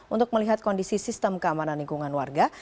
untuk melihat kondisi sistem keamanan lingkungan warga